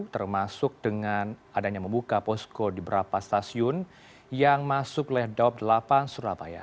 termasuk dengan adanya membuka posko di beberapa stasiun yang masuk leh dua puluh delapan surabaya